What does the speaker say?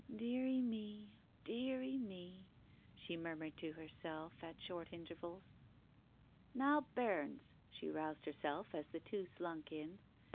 "Deary me — a deary me !" she murmured to herself at short intervals. "Now, bairns !" She roused herself as the two slunk in.